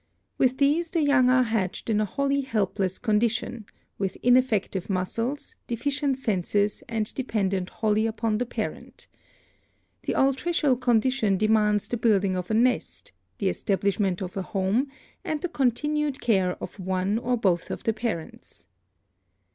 With these the young are hatched in a wholly helpless condition, with ineffective 272 BIOLOGY muscles, deficient senses and dependent wholly upon the parent. The altricial condition demands the building of a nest, the establishment of a home and the continued care of one or both of the parents.